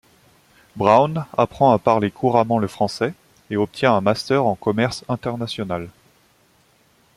Brown apprend à parler couramment le français et obtient un master en commerce international.